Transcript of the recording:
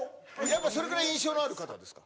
それぐらい印象のある方ですか？